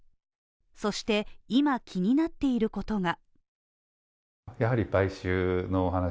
そして、今、気になっていることが。